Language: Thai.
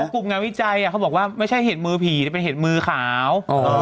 กุมงานวิจัยอ่ะเขาบอกว่าไม่ใช่เหตุมือผีเป็นเหตุมือขาว